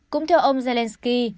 cũng theo ông zelensky